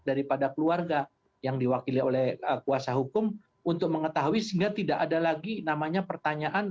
daripada keluarga yang diwakili oleh kuasa hukum untuk mengetahui sehingga tidak ada lagi namanya pertanyaan